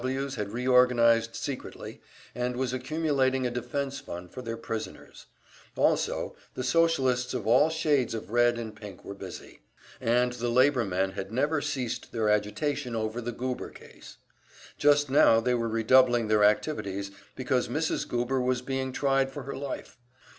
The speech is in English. Ws. had reorganized secretly, and were accumulating a defense fund for their prisoners; also, the Socialists of all shades of red and pink were busy, and the labor men had never ceased their agitation over the Goober case. Just now they were redoubling their activities, because Mrs. Goober was being tried for her life.